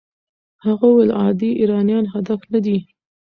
هغه وویل عادي ایرانیان هدف نه دي.